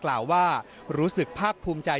กล่าวว่ารู้สึกภาคภูมิใจ